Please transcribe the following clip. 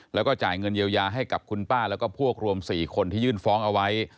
แล้วก็จ่ายเงินเยียวยาให้กับคุณป้าแล้วก็พวกรวม๔คนที่ยื่นฟ้องเอาไว้